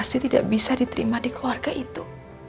pasti tidak bisa diterima di keluarga itu